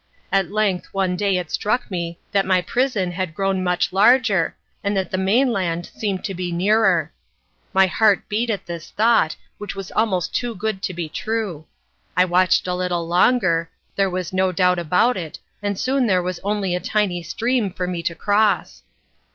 At length one day it struck me that my prison had grown much larger, and that the mainland seemed to be nearer. My heart beat at this thought, which was almost too good to be true. I watched a little longer: there was no doubt about it, and soon there was only a tiny stream for me to cross.